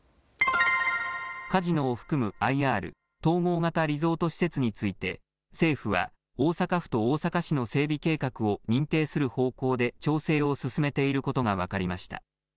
カジノを含むＩＲ・統合型リゾート施設について政府は大阪府と大阪市の整備計画を認定する方向で調整を進めていることが分かりました。